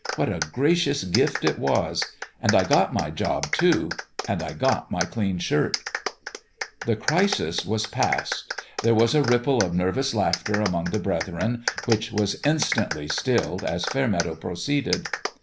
What a gracious gift it was ! And I got my job, too and I got my clean shirt." The crisis was past : there was a ripple of nervous laughter among the brethren, which was instantly stilled as Fairmeadow proceeded.